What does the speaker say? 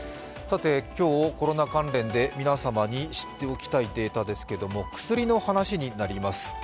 今日、コロナ関連で皆様に知っておきたいデータですけれども、薬の話になります。